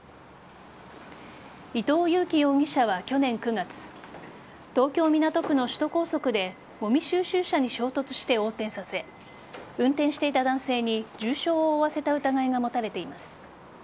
伊東祐貴容疑者は去年９月東京・港区の首都高速でごみ収集車に衝突して横転させ運転していた男性に重傷を負わせた疑いが持たれています。